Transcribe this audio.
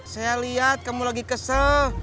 saya lihat kamu lagi kesel